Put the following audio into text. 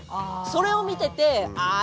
それを見ててああ